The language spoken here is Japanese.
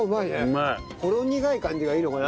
ほろ苦い感じがいいのかな。